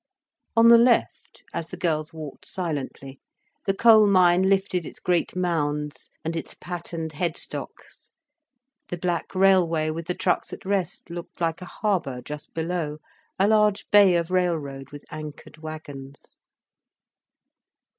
On the left, as the girls walked silently, the coal mine lifted its great mounds and its patterned head stocks, the black railway with the trucks at rest looked like a harbour just below, a large bay of railroad with anchored wagons.